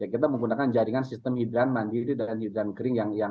kita menggunakan jaringan sistem hidran mandiri dan hidran kering yang